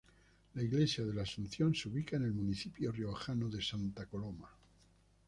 La iglesia de la Asunción se ubica en el municipio riojano de Santa Coloma.